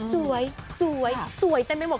สวยสวยเต็มไปหมด